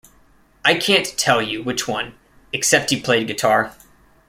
I can't tell you which one... except he played guitar.